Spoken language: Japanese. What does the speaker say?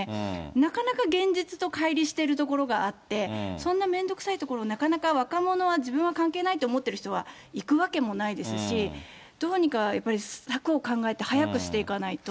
なかなか現実とかい離してるところがあって、そんな面倒くさいところ、なかなか若者は、自分は関係ないと思ってる人は行くわけもないですし、どうにかやっぱり、策を考えて、早くしていかないと。